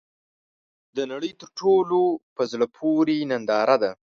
د نړۍ تر ټولو ، په زړه پورې ننداره ده .